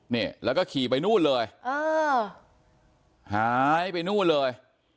เนี่ยแล้วก็ขี่ไปนู่นเลย